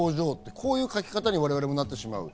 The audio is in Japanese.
こういう書き方に我々もなってしまう。